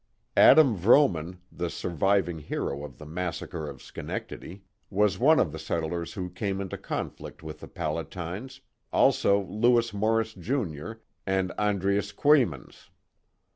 Adam Vroo man, the surviving hero of the massacre of Schenectady, was one of the settlers who came into conflict with the Palatines, also Lewis Morris, Jr., and Andries Coeymans.